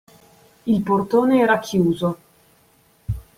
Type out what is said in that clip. Il portone era chiuso.